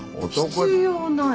必要ない。